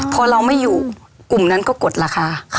พอเราไม่อยู่กลุ่มนั้นก็กดราคา